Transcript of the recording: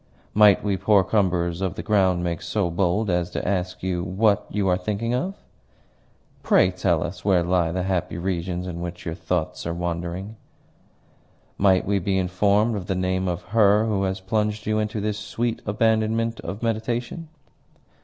"Might we poor cumberers of the ground make so bold as to ask you what you are thinking of?" "Pray tell us where lie the happy regions in which your thoughts are wandering?" "Might we be informed of the name of her who has plunged you into this sweet abandonment of meditation?"